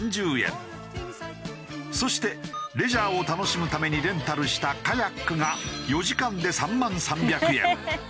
そしてレジャーを楽しむためにレンタルしたカヤックが４時間で３万３００円。